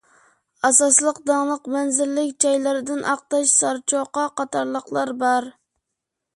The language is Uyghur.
ئاساسلىق داڭلىق مەنزىرىلىك جايلىرىدىن ئاقتاش، سارچوقا قاتارلىقلار بار.